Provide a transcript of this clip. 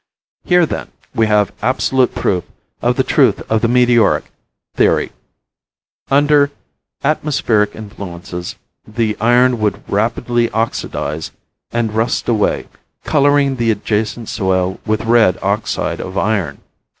"Here, then, we have absolute proof of the truth of the meteoric theory. Under atmospheric influences the iron would rapidly oxidize and rust away, coloring the adjacent soil with red oxide of iron.